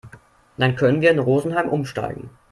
Dann können wir in Rosenheim umsteigen.